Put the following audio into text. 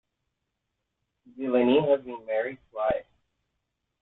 Delaney has been married twice.